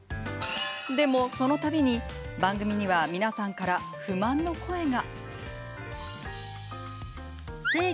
でも、その度に番組には皆さんから不満の声が。